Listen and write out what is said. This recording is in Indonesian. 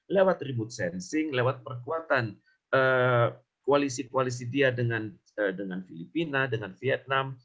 lewat remote sensing lewat perkuatan koalisi koalisi dia dengan filipina dengan vietnam